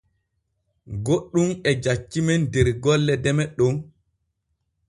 Goɗɗun e jaccimen der golle deme Ɗon.